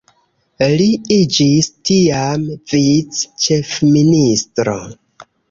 Li iĝis tiam vic-ĉefministro.